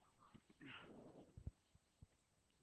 En contacto con los ojos puede producir ceguera.